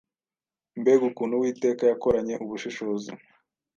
Mbega ukuntu Uwiteka yakoranye ubushishozi